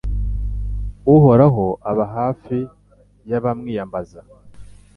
Uhoraho aba hafi y’abamwiyambaza